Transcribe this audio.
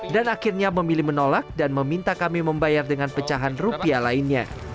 dan akhirnya memilih menolak dan meminta kami membayar dengan pecahan rupiah lainnya